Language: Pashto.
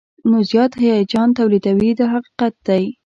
نو زیات هیجان تولیدوي دا حقیقت دی.